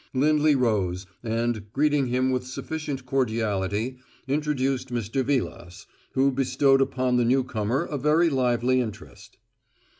Lindley rose, and, greeting him with sufficient cordiality, introduced Mr. Vilas, who bestowed upon the newcomer a very lively interest.